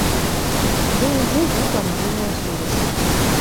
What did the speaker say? Дзе-нідзе знікла мабільная сувязь.